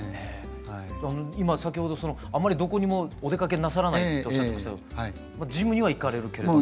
今先ほどあんまりどこにもお出かけなさらないとおっしゃってましたがジムには行かれるけれども。